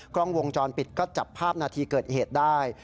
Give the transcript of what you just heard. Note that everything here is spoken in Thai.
กล้องวงจรปิดก็จับภาพนาทีเกิดเหตุได้